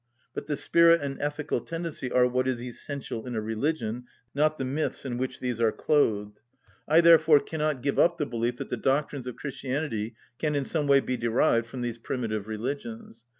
But the spirit and ethical tendency are what is essential in a religion, not the myths in which these are clothed. I therefore cannot give up the belief that the doctrines of Christianity can in some way be derived from these primitive religions.